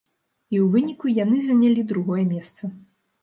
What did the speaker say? І ў выніку яны занялі другое месца.